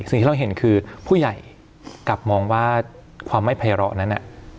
สิ่งที่เราเห็นคือผู้ใหญ่กลับมองว่าความไม่ไพร้อนั้น